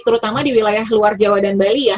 terutama di wilayah luar jawa dan bali ya